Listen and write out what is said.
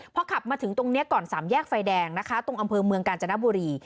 พอขับมาถึงตรงนี้ก่อนสามแยกไฟแดงนะคะตรงอำเภอเมืองกาญจนบุรี